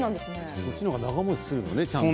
そっちの方が長もちするのね。